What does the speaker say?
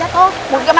ibu di negara